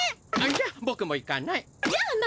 じゃママも行かない。